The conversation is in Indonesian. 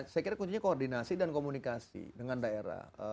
saya kira kuncinya koordinasi dan komunikasi dengan daerah